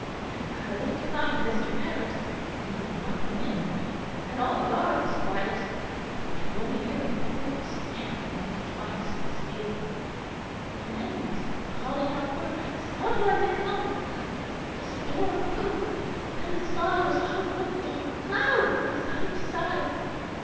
And I went to find Mr. Marrett, and he had not come in, and all the yard was quiet. I could only hear a horse stamp once or twice in the stable. And then as I saw calling out for some one to come, the storm broke, and the sky was all one dark cloud from side to side.